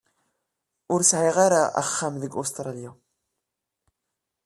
Ur sɛiɣ ara axxam deg Usṭṛalya.